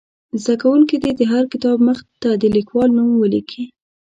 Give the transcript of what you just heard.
زده کوونکي دې د هر کتاب مخ ته د لیکوال نوم ولیکي.